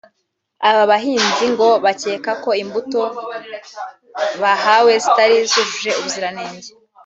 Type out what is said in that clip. Aba bahinzi ngo bakeka ko imbuto bahawe zitari zujuje ubuziranenge